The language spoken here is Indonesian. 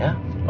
udah tenang ya